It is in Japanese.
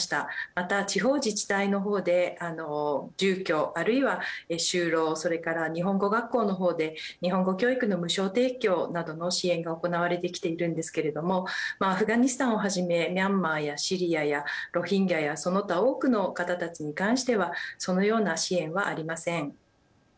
また、地方自治体のほうで住居あるいは就労それから日本語学校のほうで日本語教育の無償提供などの支援が行われてきているんですけれどもアフガニスタンをはじめミャンマーやシリアやロヒンギャやその他多くの方たちに関してはそのような支援はありません。